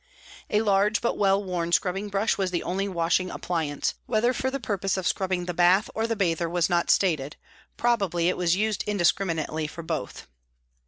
A large but well worn scrubbing brush was the only washing appliance, whether for the purpose of scrubbing the bath or the bather was not stated, probably it was used indiscriminately for both.